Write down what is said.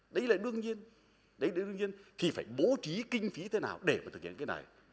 đấy là đương nhiên thì phải bố trí kinh phí thế nào để thực hiện cái này